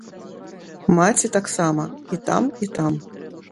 Маці таксама і там, і там.